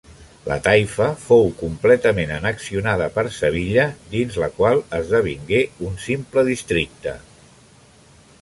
La taifa fou completament annexionada per Sevilla, dins la qual esdevingué un simple districte.